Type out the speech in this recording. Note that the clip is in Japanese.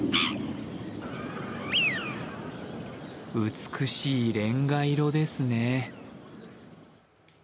美しいれんが色ですね。